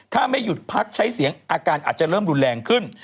ถ้าไม่หยุดพักใช้เสียงอาการอาจจะเริ่มรุนแรงขึ้น